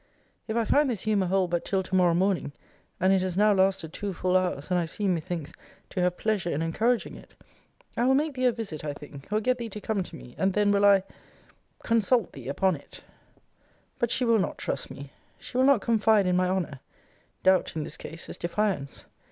If I find this humour hold but till to morrow morning, [and it has now lasted two full hours, and I seem, methinks, to have pleasure in encouraging it,] I will make thee a visit, I think, or get thee to come to me; and then will I consult thee upon it. But she will not trust me. She will not confide in my honour. Doubt, in this case, is defiance.